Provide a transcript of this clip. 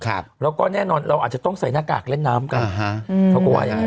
แล้วก็แน่นอนเราอาจจะต้องใส่หน้ากากเล่นน้ำกันถูกกว่าอย่างนั้นเลย